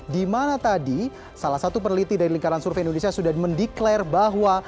di mana tadi salah satu peneliti dari lingkaran survei indonesia sudah mendeklarasi bahwa